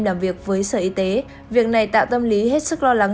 làm việc với sở y tế việc này tạo tâm lý hết sức lo lắng